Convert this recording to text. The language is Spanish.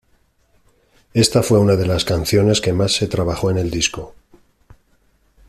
Esta fue una de las canciones que más se trabajó en el disco.